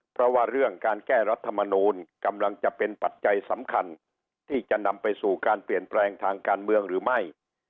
เพราะว่าเรื่องการแก้รัฐมนูลกำลังจะเป็นปัจจัยสำคัญที่จะนำไปสู่การเปลี่ยนแปลงทางการเมืองหรือไม่